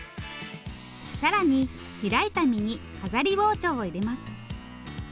更に開いた身に飾り包丁を入れます。